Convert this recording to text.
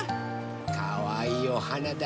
かわいいおはなだね。